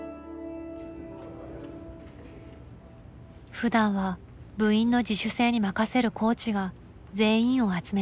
ふだんは部員の自主性に任せるコーチが全員を集めました。